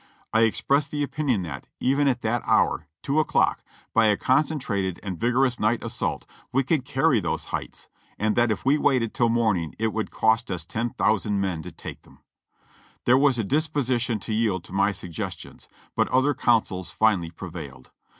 I ex pressed the opinion that, even at that hour, two o'clock, by a concentrated and vigorous night assault, we could carry those heights, and that if w^e waited till morning it would cost us 10,000 men to take them. There was a disposition to yield to my sug gestions, but other counsels finally prevailed.